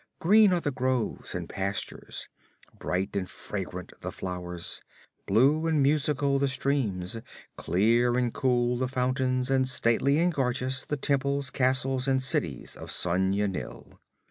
Green are the groves and pastures, bright and fragrant the flowers, blue and musical the streams, clear and cool the fountains, and stately and gorgeous the temples, castles, and cities of Sona Nyl.